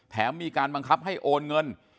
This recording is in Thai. มีการบังคับให้โอนเงิน